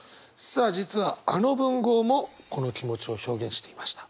さあ実はあの文豪もこの気持ちを表現していました。